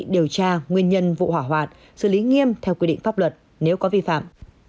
điều tra nguyên nhân vụ hỏa hoạn xử lý nghiêm theo quy định pháp luật nếu có vi phạm